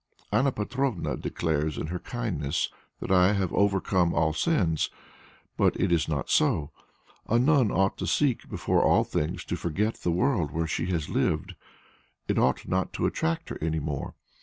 Anna Petrovna declares in her kindness that I have overcome all sins, but it is not so. A nun ought to seek before all things to forget the world where she has lived. It ought not to attract her any more.